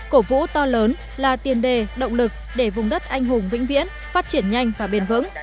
cổ vũ to lớn là tiền đề động lực để vùng đất anh hùng vĩnh viễn phát triển nhanh và bền vững